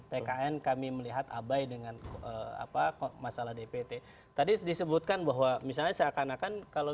tkn kami melihat abai dengan apa kok masalah dpt tadi disebutkan bahwa misalnya seakan akan kalau